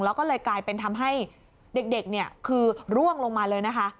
แล้วก็เลยกลายเป็นทำให้เด็กเนี่ยคือร่วงลงมาเลยนะคะ